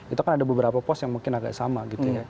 itu kan ada beberapa pos yang mungkin agak sama gitu ya